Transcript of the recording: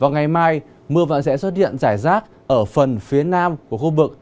ngày mai mưa vẫn sẽ xuất hiện rải rác ở phần phía nam của khu vực